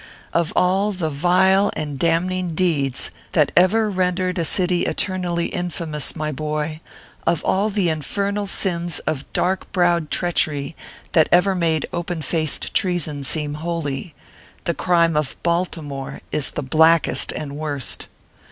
* Of all the vile and damning deeds that ever ren dered a city eternally infamous, my boy of all the infernal sins of dark browed treachery that ever made open faced treason seem holy, the crime of Baltimore is the blackest and worst.